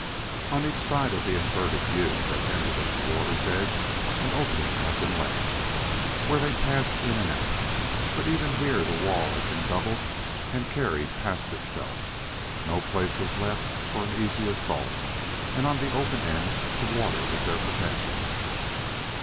On each side of the inverted U that ended at the water's edge an opening had been left, where they passed in and out. But even here the wall had been doubled and carried past itself: no place was left for an easy assault, and on the open end the water was their protection.